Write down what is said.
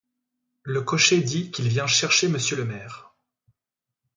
Le cocher dit qu'il vient chercher monsieur le maire.